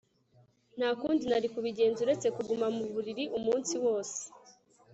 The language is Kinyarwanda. Nta kundi nari kubigenza uretse kuguma mu buriri umunsi wose